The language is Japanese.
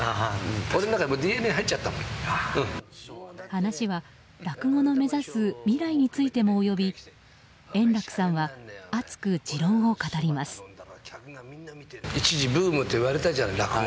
話は、落語の目指す未来についてもおよび円楽さんは熱く持論を語りました。